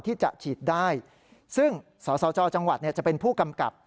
ที่จะฉีดได้ซึ่งสสจจังหวัดจะเป็นผู้กำกับ